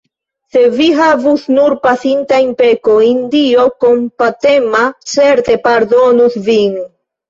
Se vi havus nur pasintajn pekojn, Dio kompatema certe pardonus vin!